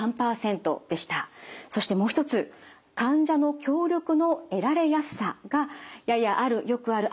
そしてもう一つ患者の協力の得られやすさが「ややある」「よくある」